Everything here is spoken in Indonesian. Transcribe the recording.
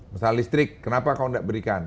masalah listrik kenapa kau nggak berikan